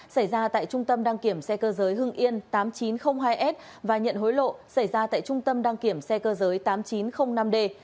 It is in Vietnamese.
xảy ra tại trung tâm đăng kiểm xe cơ giới hưng yên tám nghìn chín trăm linh hai s và nhận hối lộ xảy ra tại trung tâm đăng kiểm xe cơ giới tám nghìn chín trăm linh năm d